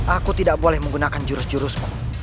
aku tidak boleh menggunakan jurus jurusmu